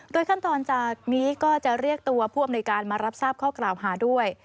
ขั้นตอนจากนี้ก็จะเรียกตัวผู้อำนวยการมารับทราบข้อกล่าวหาด้วย